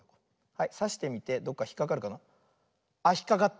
はいさしてみてどっかひっかかるかな。あっひっかかった。